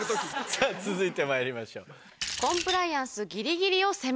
さぁ続いてまいりましょう。